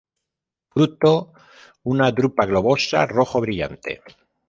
Fruto una drupa globosa, rojo-brillante.